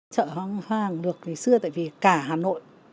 chợ hoa hàng lược ngày xưa tại vì cả hà nội